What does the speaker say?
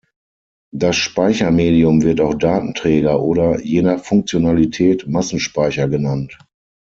Das Speichermedium wird auch Datenträger oder, je nach Funktionalität, Massenspeicher genannt.